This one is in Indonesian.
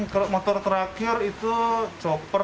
kalau motor terakhir itu chopper